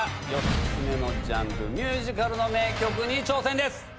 ４つ目のジャンル「ミュージカル」の名曲に挑戦です。